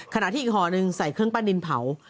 ขณะที่อีกห่อหนึ่งใส่เครื่องปั้นดินเผา